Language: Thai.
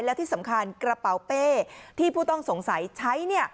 และที่สำคัญกระเป๋าเป้ที่ผู้ต้องสงสัยใช้